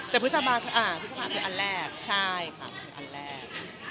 แต่พฤษภาคอ่ะพฤษภาคคืออันแรกใช่ค่ะเป็นอันแรก